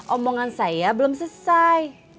omongan saya belum selesai